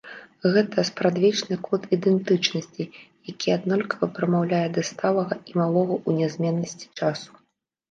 Гэта спрадвечны код ідэнтычнасці, які аднолькава прамаўляе да сталага і малога ў нязменнасці часу.